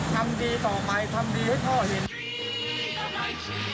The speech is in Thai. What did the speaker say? ทำดีต่อไปทำดีให้พ่อเห็นต่อไป